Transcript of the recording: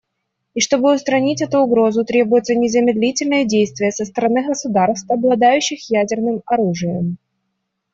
И чтобы устранить эту угрозу, требуются незамедлительные действия со стороны государств, обладающих ядерным оружием.